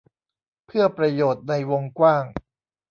เพื่อประโยชน์ในวงกว้าง